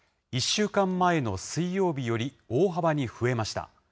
１週間前の水曜日より大幅に増えました。